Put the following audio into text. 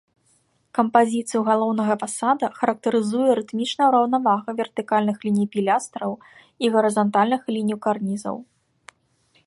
Кампазіцыю галоўнага фасада характарызуе рытмічная раўнавага вертыкальных ліній пілястраў і гарызантальных ліній карнізаў.